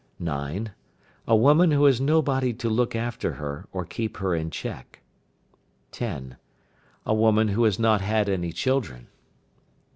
9. A woman who has nobody to look after her, or keep her in check. 10. A woman who has not had any children.